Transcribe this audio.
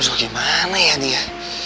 aduh gimana ya dia